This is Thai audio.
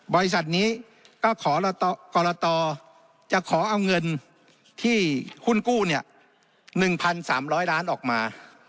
บริษัทนี้ก็ขอกรตอจะขอเอาเงินที่หุ้นกู้เนี่ยหนึ่งพันสามร้อยล้านออกมา